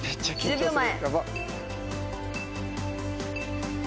１０秒前。